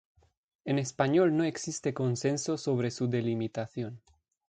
En español no existe consenso sobre su delimitación.